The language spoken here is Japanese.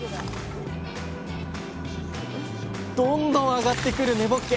どんどんあがってくる根ぼっけ。